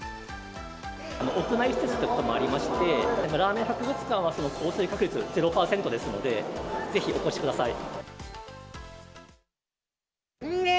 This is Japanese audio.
屋内施設ということもありまして、ラーメン博物館は降水確率０％ですので、ぜひお越しください。